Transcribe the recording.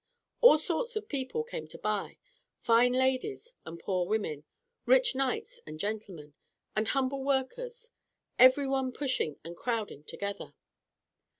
All sorts of people came to buy: fine ladies and poor women, rich knights and gentlemen, and humble workers, every one pushing and crowding together.